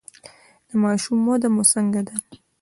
د ماشوم وده مو څنګه ده؟